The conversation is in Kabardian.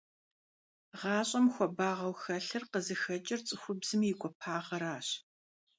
ГъащӀэм хуабагъэу хэлъыр къызыхэкӀыр цӀыхубзым и гуапагъэращ.